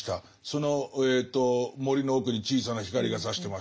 その森の奥に小さな光がさしてました。